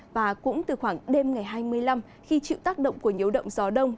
và cũng từ khoảng đêm ngày hai mươi năm khi chịu tác động của nhiễu động gió đông